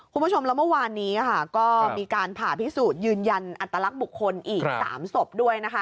คุณผู้ชมแล้วเมื่อวานนี้ค่ะก็มีการผ่าพิสูจน์ยืนยันอัตลักษณ์บุคคลอีก๓ศพด้วยนะคะ